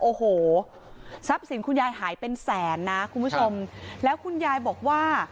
โอ้โหทรัพย์สินคุณยายหายเป็นแสนนะคุณผู้ชมแล้วคุณยายบอกว่า